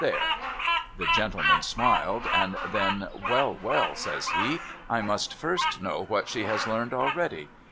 There !' The gentleman smiled, and then, ' Well, well,' says he, ' I must first know what she has learned already.